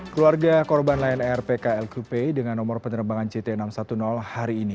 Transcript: keluarga korban lion air pkl krupe dengan nomor penerbangan jt enam ratus sepuluh hari ini